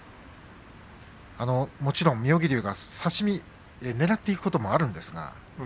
もちろん妙義龍が差し身をねらってることもあるんですが。